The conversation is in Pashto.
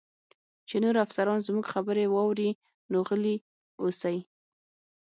چې نور افسران زموږ خبرې واوري، نو غلي اوسئ.